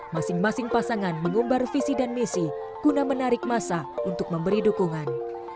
masing masing pasangan mengumbar visi dan misi guna menarik masa untuk memberi dukungan